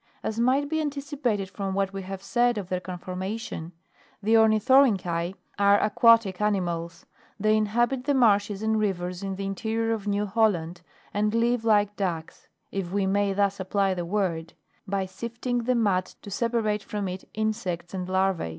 As might be anticipated from what we have said of their conformation, the Oruithorynchi are aquatic animals ; they inhabit the marshes and rivers in the in terior of New Holland, and live like ducks, (if we may thus apply the word,) by sifting the mud to separate from it insects and larva?.